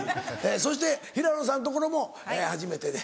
そして平野さんところも初めてで。